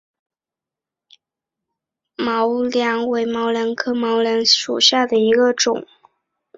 匍枝毛茛为毛茛科毛茛属下的一个种。